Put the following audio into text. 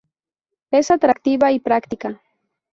Es atractiva y práctica.